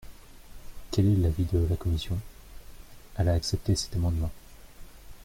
Quel est l’avis de la commission ? Elle a accepté cet amendement.